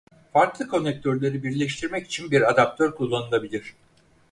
Farklı konektörleri birleştirmek için bir adaptör kullanılabilir.